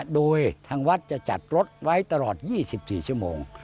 โดยทางวัดจะจัดรถไว้ตลอด๒๔ชั่วโมง